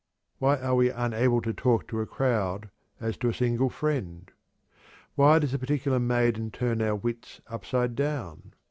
Why are we unable to talk to a crowd as to a single friend? Why does a particular maiden turn our wits upside down?